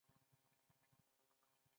غوږونه د نصیحتونو خزانه ده